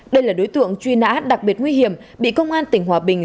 đây là đối tượng truy nã đặc biệt nguy hiểm bị công an tỉnh hòa bình